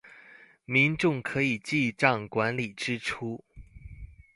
民眾可以記帳管理支出